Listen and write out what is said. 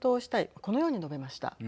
このように述べました。